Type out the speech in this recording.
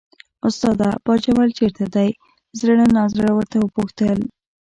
استاده! باجوړ چېرته دی، زړه نازړه ورته وپوښتل.